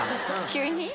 急に？